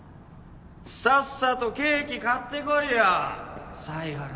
さっさとケーキ買ってこいよ犀原茜。